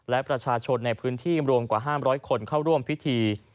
และประชาชนในพื้นที่รวมกว่า๕๐๐คนเข้าร่วมพิธี